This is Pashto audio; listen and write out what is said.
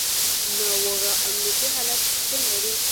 ناوړه امنیتي حالت شتون لري.